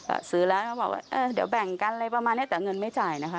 ซื้อแล้วก็บอกว่าเออเดี๋ยวแบ่งกันอะไรประมาณเนี้ยแต่เงินไม่จ่ายนะคะ